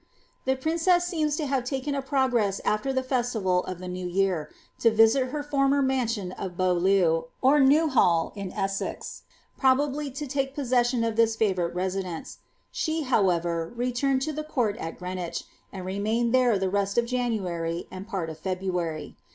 The princess seems to have taken a progress alWr the festival of the >w year« to visit her former mansion of Beaulieu, or Newhall, in Es« K, probably to take possession of this favourite residence ; she, how sr, returned to the court at Greenwich, and remained there the rest of MHury and part of February.